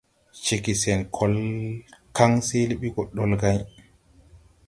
Ceege sen kɔL kaŋ seele ɓi gɔ ɗolgãy.